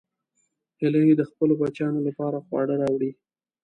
هیلۍ د خپلو بچیانو لپاره خواړه راوړي